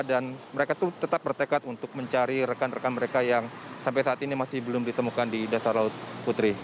dan mereka tuh tetap bertekad untuk mencari rekan rekan mereka yang sampai saat ini masih belum ditemukan di dasar laut putri